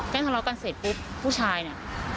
ทะเลาะกันเสร็จปุ๊บผู้ชายเนี่ย